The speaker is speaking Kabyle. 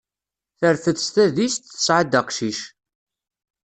Terfed s tadist, tesɛa-d aqcic.